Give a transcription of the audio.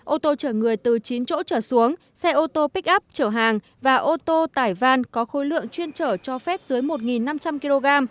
ô tô chở người từ chín chỗ chở xuống xe ô tô bích up chở hàng và ô tô tải van có khối lượng chuyên chở cho phép dưới một năm trăm linh kg